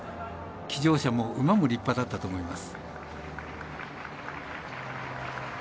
騎乗者も馬も立派だったと思います。